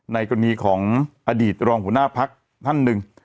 กรณีของอดีตรองหัวหน้าพักท่านหนึ่ง